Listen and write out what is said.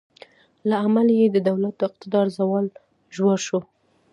له امله یې د دولت د اقتدار زوال ژور شو.